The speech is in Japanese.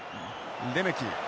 レメキ。